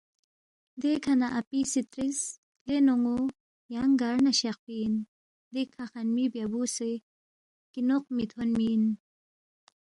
دیکھہ نہ اپی سی ترِس ”لے نونو یانگ گار نہ شخفی اِن؟ دِکھہ خنمی بیابُو سے کینوق مِہ تھونمی اِن